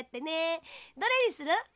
どれにする？